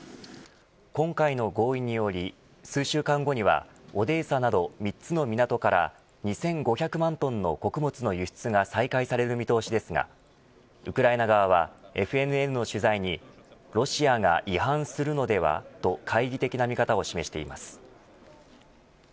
今回の合意により、数週間後にはオデーサなど３つの港から２５００万トンの穀物の輸出が再開される見通しですがウクライナ側はＦＮＮの取材にロシアが違反するのではと懐疑的な見方を示しています。